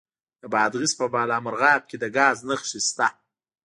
د بادغیس په بالامرغاب کې د ګاز نښې شته.